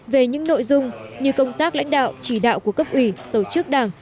về những nội dung như công tác lãnh đạo chỉ đạo của cấp ủy tổ chức đảng